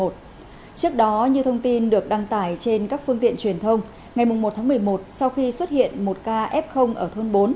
trước đó như thông tin được đăng tải trên các phương tiện truyền thông ngày một tháng một mươi một sau khi xuất hiện một ca f ở thôn bốn